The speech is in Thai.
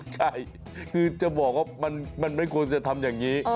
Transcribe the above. ใช่คือจะบอกว่ามันไม่ควรจะทำอย่างนี้